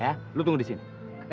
ya lu tunggu di sini